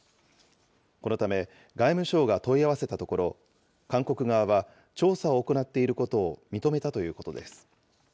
このため、外務省が問い合わせたところ、韓国側は、調査を行っていることを認めたということです。